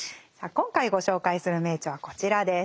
今回ご紹介する名著はこちらです。